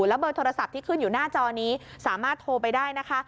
แล้วเบอร์โทรศัพท์ที่ขึ้นอยู่หน้าจอนี้สามารถโทรไปได้นะคะ